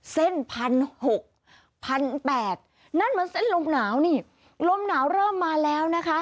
เส้นพันหกพันแปดนั่นมันเส้นลมหนาวนี่ลมหนาวเริ่มมาแล้วนะคะ